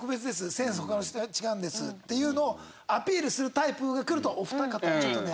センス他の人とは違うんです」っていうのをアピールするタイプがくるとお二方はちょっとね。